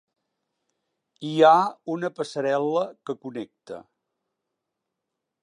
Hi ha una passarel·la que connecta.